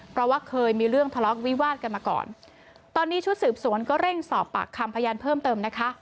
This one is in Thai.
เพราะว่าเคยมีเรื่องทะเลาะวิวาดกันมาก่อนตอนนี้ชุดสืบสวนก็เร่งสอบปากคำพยานเพิ่มเติมนะคะ